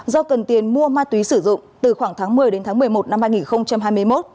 do cần tiền mua ma túy sử dụng từ khoảng tháng một mươi đến tháng một mươi một năm hai nghìn hai mươi một